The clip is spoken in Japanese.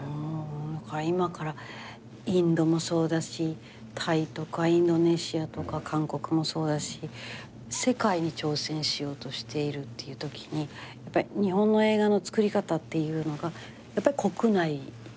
だから今からインドもそうだしタイとかインドネシアとか韓国もそうだし世界に挑戦しようとしているっていうときに日本の映画の作り方っていうのがやっぱり国内ドメスティック。